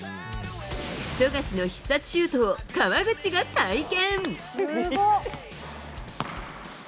富樫の必殺シュートを川口が体験。